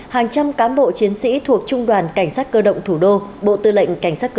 hàng trăm cám bộ chiến sĩ thuộc trung đoàn cảnh sát cơ động thủ đô bộ tư lệnh cảnh sát